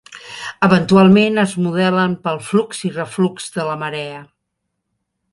Eventualment es modelen pel flux i reflux de la marea.